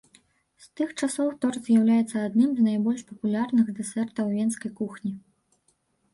З тых часоў торт з'яўляецца адным з найбольш папулярных дэсертаў венскай кухні.